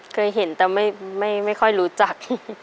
เคยเห็นแต่ไม่ค่อยรู้จัก